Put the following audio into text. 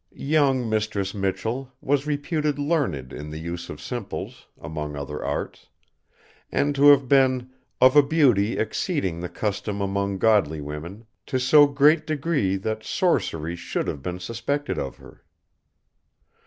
Young Mistress Michell was reputed learned in the use of simples, among other arts, and to have been "of a beauty exceeding the custom among godly women, to so great degree that sorcery should have been suspected of her."